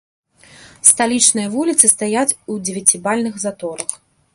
Сталічныя вуліцы стаяць у дзевяцібальных заторах.